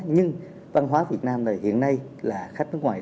nhưng văn hóa việt nam này hiện nay là khách nước ngoài